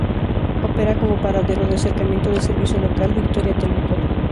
Opera como paradero de acercamiento del servicio local Victoria-Temuco.